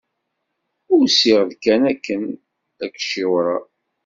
Usiɣ-d kan akken ad k-ciwṛeɣ.